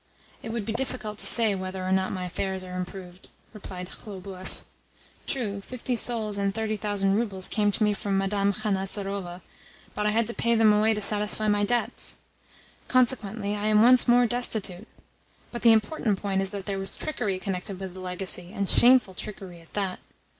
"It would be difficult to say whether or not my affairs are improved," replied Khlobuev. "True, fifty souls and thirty thousand roubles came to me from Madame Khanasarova, but I had to pay them away to satisfy my debts. Consequently I am once more destitute. But the important point is that there was trickery connected with the legacy, and shameful trickery at that.